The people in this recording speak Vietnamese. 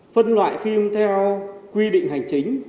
phân loại phim theo quy định hành chính